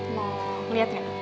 mau ngeliat gak